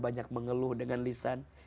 banyak mengeluh dengan lisan